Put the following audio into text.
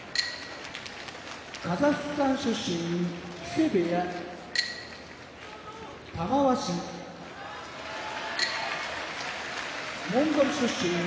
カザフスタン出身木瀬部屋玉鷲モンゴル出身